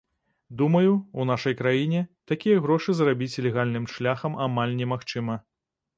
Думаю, у нашай краіне, такія грошы зарабіць легальным шляхам амаль немагчыма.